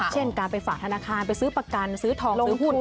เช่นการไปฝากธนาคารไปซื้อประกันซื้อทองซื้อหุ้น